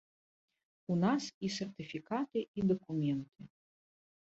У нас і сертыфікаты, і дакументы.